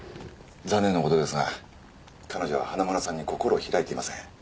残念な事ですが彼女は花村さんに心を開いていません。